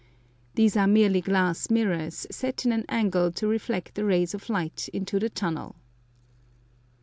These are merely glass mirrors, set at an angle to reflect the rays of light into the tunnel.